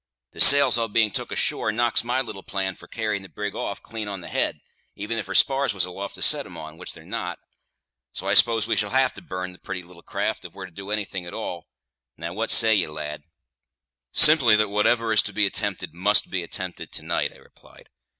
The sails all being took ashore knocks my little plan for carryin' the brig off clean on the head, even if her spars was aloft to set 'em on, which they're not. So I s'pose we shall have to burn the pretty little craft, if we're to do anything at all. Now what say ye, lad?" "Simply, that whatever is to be attempted must be attempted to night," I replied.